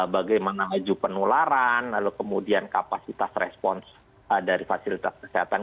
bagaimana laju penularan lalu kemudian kapasitas respons dari fasilitas kesehatan